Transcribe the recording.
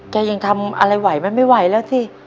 ยังทำอะไรไหวไหมไม่ไหวแล้วสิ